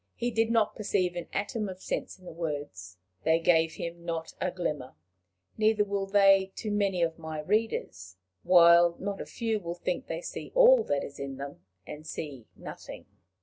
He did not perceive an atom of sense in the words. They gave him not a glimmer. Neither will they to many of my readers; while not a few will think they see all that is in them, and see nothing.